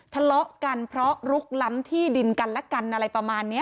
ทะเลาะกันเพราะลุกล้ำที่ดินกันและกันอะไรประมาณนี้